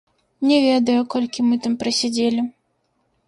Не ведаю, колькі мы там прасядзелі.